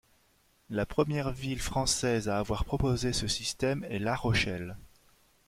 La première ville française à avoir proposé ce système est La Rochelle.